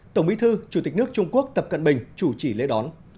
tổng bí thư chủ tịch nước trung quốc tập cận bình chủ trì lễ đón